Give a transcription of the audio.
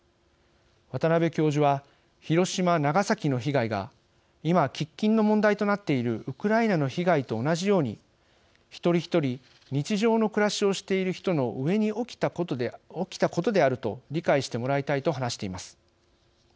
渡邉教授は「広島・長崎の被害が今、喫緊の問題となっているウクライナの被害と同じように一人一人日常の暮らしをしている人の上に起きたことであると理解してもらいたい」と話しています。